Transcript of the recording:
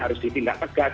harus ditindak tegas